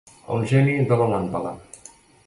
El geni de la làmpada.